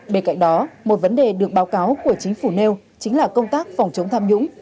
bên cạnh đó một vấn đề được báo cáo của chính phủ nêu chính là công tác phòng chống tham nhũng